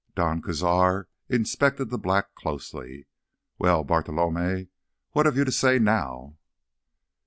Don Cazar inspected the black closely. "Well, Bartolomé, what have you to say now?"